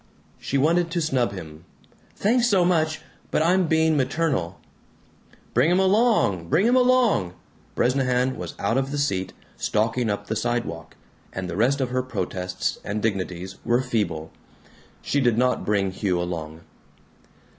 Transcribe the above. She wanted to snub him. "Thanks so much, but I'm being maternal." "Bring him along! Bring him along!" Bresnahan was out of the seat, stalking up the sidewalk, and the rest of her protests and dignities were feeble. She did not bring Hugh along.